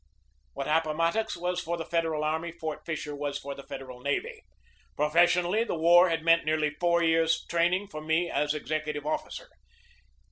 What Appomattox was for the Federal army, Fort Fisher was for the Federal navy. Profession ally the war had meant nearly four years' training for me as an executive officer.